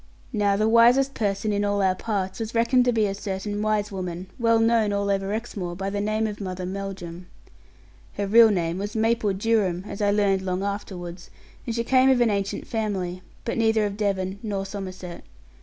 Now the wisest person in all our parts was reckoned to be a certain wise woman, well known all over Exmoor by the name of Mother Melldrum. Her real name was Maple Durham, as I learned long afterwards; and she came of an ancient family, but neither of Devon nor Somerset.